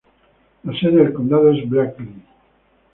La sede de condado es Blakely.